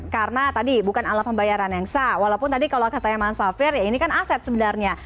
karena tadi bukan ala pembayaran yang sah walaupun tadi kalau katanya mas safir ini kan aset sebenarnya